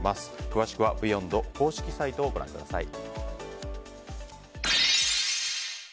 詳しくは「ＢＥＹＯＮＤ」公式サイトをご覧ください。